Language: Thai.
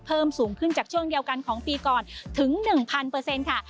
เพิ่มสูงขึ้นจากช่วงเดียวกันของปีก่อนถึง๑๐๐ค่ะ